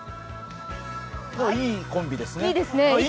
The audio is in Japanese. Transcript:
いいコンビですね。